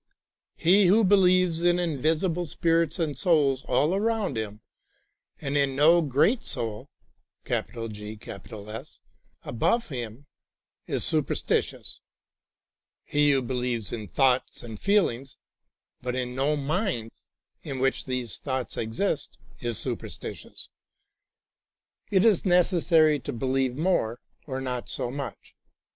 He who believes in invisible spirits and souls all around him and THE THREE MOTIVES OF FAITH in no Great Soul above him is superstitious, as he who beheves in thoughts and feeHngs but in no mind in which these thoughts exist is superstitious. It is necessary to beheve more or not so much.